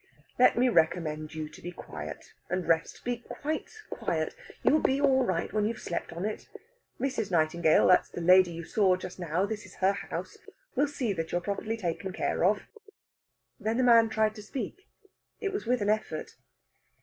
"Let me recommend you to be quiet and rest. Be quite quiet. You will be all right when you have slept on it. Mrs. Nightingale that's the lady you saw just now; this is her house will see that you are properly taken care of." Then the man tried to speak; it was with an effort.